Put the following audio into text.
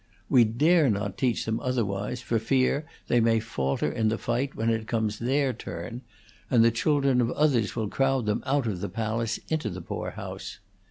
We dare not teach them otherwise, for fear they may falter in the fight when it comes their turn, and the children of others will crowd them out of the palace into the poor house.